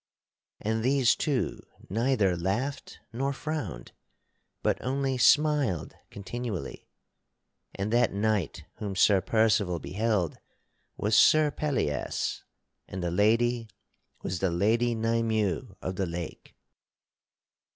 And these two neither laughed nor frowned, but only smiled continually. And that knight whom Sir Percival beheld was Sir Pellias, and the lady was the Lady Nymue of the Lake.